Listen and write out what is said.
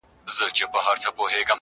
چي پښتانه په جبر نه، خو په رضا سمېږي؛؛!